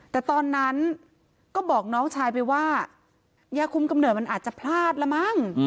แต่ตอนนั้นก็บอกน้องชายไปว่ายาคุมกำเนิดมันอาจจะพลาดละมั้ง